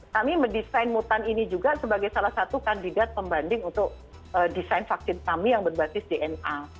kami mendesain mutan ini juga sebagai salah satu kandidat pembanding untuk desain vaksin kami yang berbasis dna